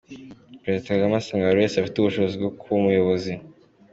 Perezida Kagame asanga buri wese afite ubushobozi bwo kuba Umuyobozi